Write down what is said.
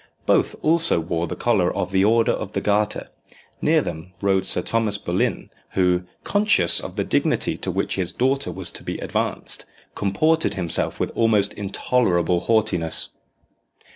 Both also wore the collar of the Order of the Garter. Near them rode Sir Thomas Boleyn, who, conscious of the dignity to which his daughter was to be advanced, comported himself with almost intolerable haughtiness.